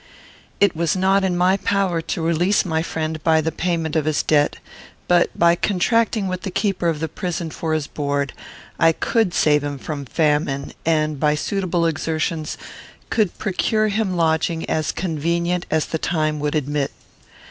It was not in my power to release my friend by the payment of his debt; but, by contracting with the keeper of the prison for his board, I could save him from famine; and, by suitable exertions, could procure him lodging as convenient as the time would admit.